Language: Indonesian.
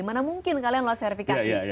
mana mungkin kalian lolos verifikasi